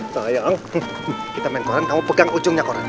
tuh ayo kita main korang kamu pegang ujungnya korang